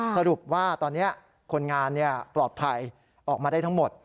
สรุปว่าตอนนี้คนงานปลอดภัยออกมาได้ทั้งหมด